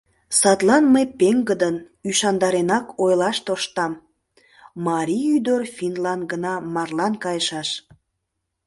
Садлан мый пеҥгыдын, ӱшандаренак ойлаш тоштам: марий ӱдыр финнлан гына марлан кайышаш!